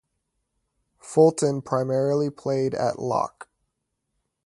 Fulton primarily played at lock.